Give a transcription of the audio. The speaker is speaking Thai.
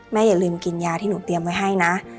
อย่าลืมกินยาที่หนูเตรียมไว้ให้นะ